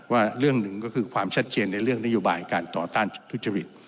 ว่าเรื่องหนึ่งก็คือความชัดเจนในเรื่องนโยบายการต่อต้านทุจริต